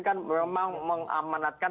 kan memang mengamanatkan